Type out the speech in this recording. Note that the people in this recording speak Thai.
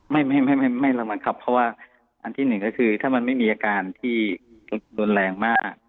ไม่ไม่ระวังครับเพราะว่าอันที่หนึ่งก็คือถ้ามันไม่มีอาการที่รุนแรงมาก